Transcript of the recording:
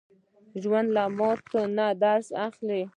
ژوندي له ماتو نه درس اخلي